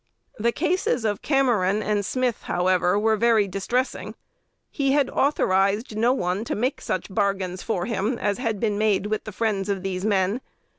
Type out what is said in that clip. The cases of Cameron and Smith, however, were very distressing. He had authorized no one to make such bargains for him as had been made with the friends of these men.